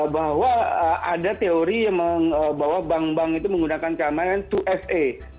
bahwa ada teori yang bahwa bank bank itu menggunakan keamanan dua fa